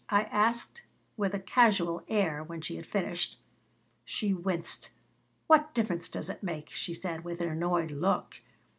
I asked, with a casual air, when she had finished She winced. "What difference does it make?" she said, with an annoyed look.